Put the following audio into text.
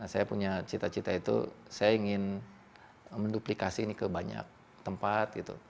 saya punya cita cita itu saya ingin menduplikasi ini ke banyak tempat